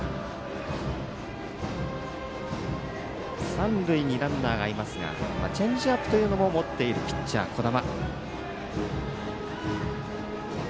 三塁にランナーがいますがチェンジアップというのも持っているピッチャー、小玉。